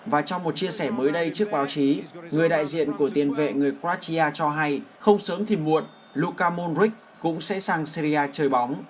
và trong một chia sẻ mới đây trước báo chí người đại diện của tiền vệ người croatia cho hay không sớm thì muộn luka monric cũng sẽ sang serie a chơi bóng